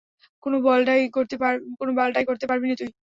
কোনো বালডাই করতে পারবি না তুই!